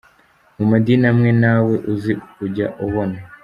Mu madini amwe nawe uzi, ujya ubona.